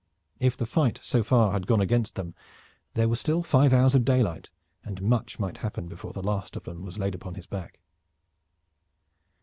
If the fight so far had gone against them, there were still five hours of daylight, and much might happen before the last of them was laid upon his back.